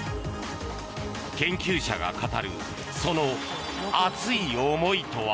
研究者が語るその熱い思いとは。